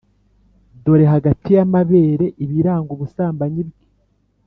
dore hagati y’amabere ibiranga ubusambanyi bwe.